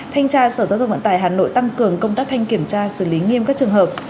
thanh tra sở giao thông vận tải hà nội tăng cường công tác thanh kiểm tra xử lý nghiêm các trường hợp